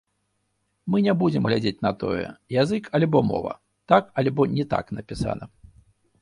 Мы не будзем глядзець на тое, язык альбо мова, так альбо не так напісана.